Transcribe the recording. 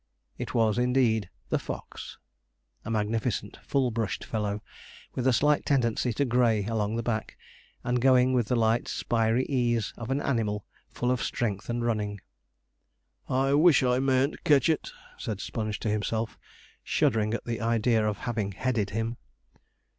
It was, indeed, the fox! a magnificent full brushed fellow, with a slight tendency to grey along the back, and going with the light spiry ease of an animal full of strength and running. 'I wish I mayn't ketch it,' said Sponge to himself, shuddering at the idea of having headed him.